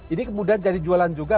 ini kemudian jadi jualan juga